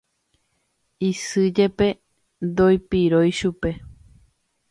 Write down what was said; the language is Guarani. isy jepe ndoipirói chupe